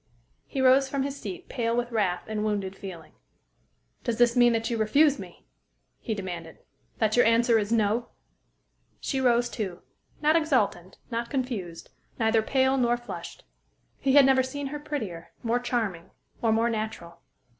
He rose from his seat pale with wrath and wounded feeling. "Does this mean that you refuse me?" he demanded, "that your answer is 'no'?" She rose, too not exultant, not confused, neither pale nor flushed. He had never seen her prettier, more charming, or more natural.